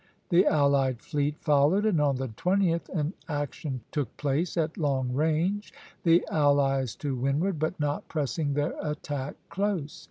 The allied fleet followed, and on the 20th an action took place at long range, the allies to windward, but not pressing their attack close.